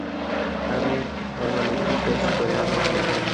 আমি ফর্মালিটি শেষ করে আসছি।